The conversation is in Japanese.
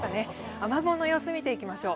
雨雲の様子、見ていきましょう。